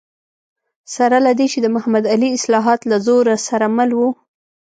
سره له دې چې د محمد علي اصلاحات له زور سره مل و.